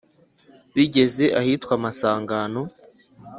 bigeza ahitwa masangano